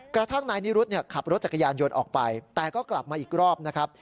กระทั่งนายนิรุธขับรถจักรยานยนต์ออกไปแต่ก็กลับมาอีกรอบนะครับ